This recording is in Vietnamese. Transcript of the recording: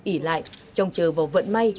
ỉ lại trông chờ vào vận may